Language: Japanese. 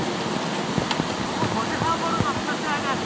午後５時半ごろの水戸市内です。